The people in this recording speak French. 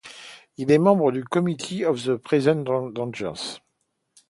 Il est membre du Committee on the Present Danger.